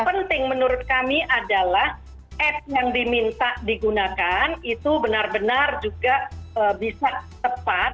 dan yang menurut kami adalah app yang diminta digunakan itu benar benar juga bisa tepat